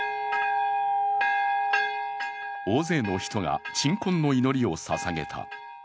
大勢の人が鎮魂の祈りをささげた。